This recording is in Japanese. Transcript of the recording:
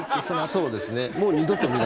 そうですね。